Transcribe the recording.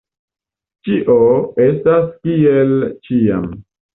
Ĉio estas kiel ĉiam.